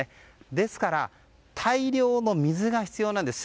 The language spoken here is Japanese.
ですから、大量の水が必要なんです。